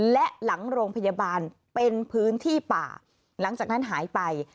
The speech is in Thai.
และหลังโรงพยาบาลเป็นพื้นที่ป่าหลังจากนั้นหายไป